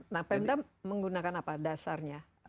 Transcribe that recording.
nah pemda menggunakan apa dasarnya